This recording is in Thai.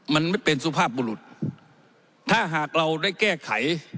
มันไม่เป็นสุภาพบุรุษถ้าหากเราได้แก้ไข